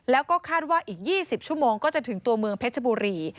แล้วก็คาดว่าอีก๒๐ชั่วโมงก็จะถึงตัวเมืองเพชรบุรี